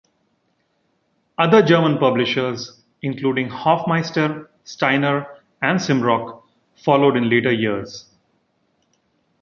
Other German publishers, including Hoffmeister, Steiner and Simrock, followed in later years.